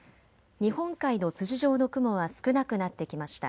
日本海の筋状の雲は少なくなってきました。